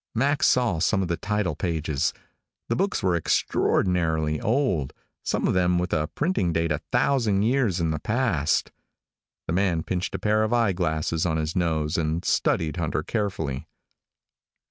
Max saw some of the title pages. The books were extraordinarily old, some of them with a printing date a thousand years in the past. The man pinched a pair of eye glasses on his nose and studied Hunter carefully.